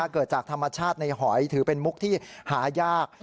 เกิดจากธรรมชาติในหอยถือเป็นมุกที่หายาก